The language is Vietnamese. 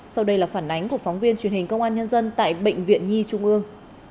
sau đây là phản ánh của phóng viên truyền hình công an nhân dân tại bệnh viện nhi trung ương